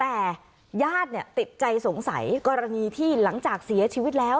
แต่ญาติติดใจสงสัยกรณีที่หลังจากเสียชีวิตแล้ว